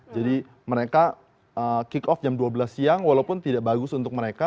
mereka kick off jam dua belas siang walaupun tidak bagus untuk mereka